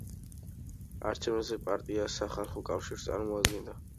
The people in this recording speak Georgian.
არჩევნებზე პარტია „სახალხო კავშირს“ წარმოადგენდა.